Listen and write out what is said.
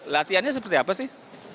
latihannya seperti apa sih